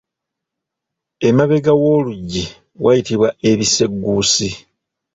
Emabega w’oluggi wayitibwa ebisegguusi.